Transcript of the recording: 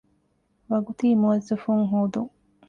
ވަގުތީ މުވައްޒަފުން ހޯދުން